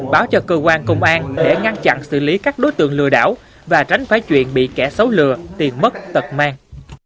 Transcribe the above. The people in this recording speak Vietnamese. báo cho cơ quan công an để ngăn chặn xử lý các đối tượng lừa đảo và tránh phải chuyện bị kẻ xấu lừa tiền mất tật mang